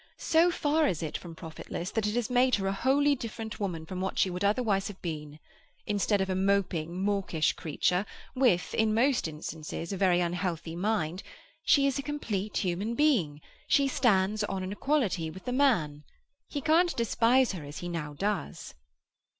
So far is it from profitless, that it has made her a wholly different woman from what she would otherwise have been. Instead of a moping, mawkish creature, with—in most instances—a very unhealthy mind, she is a complete human being. She stands on an equality with the man. He can't despise her as he now does."